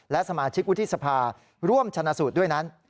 และสมาชิกวิทยาศาสตร์ร่วมชนะสูตรด้วยนั้น